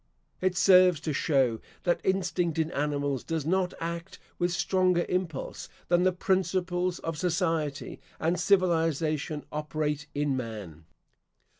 It serves to show that instinct in animals does not act with stronger impulse than the principles of society and civilisation operate in man.